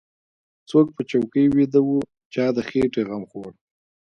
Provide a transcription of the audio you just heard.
څوک په چوکۍ ويده و چا د خېټې غم خوړ.